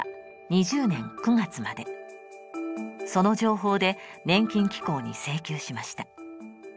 その情報で年金機構に請求しました。